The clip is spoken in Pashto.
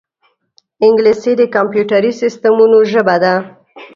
انګلیسي د کمپیوټري سیستمونو ژبه ده